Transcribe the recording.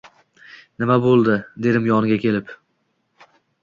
«Nima bo’ldi?» — dedim yoniga kelib.